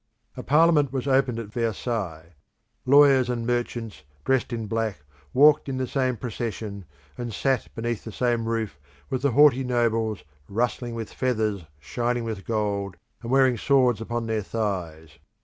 A Parliament was opened at Versailles; lawyers and merchants dressed in black walked in the same procession, and sat beneath the same roof with the haughty nobles, rustling with feathers, shining with gold, and wearing swords upon their thighs.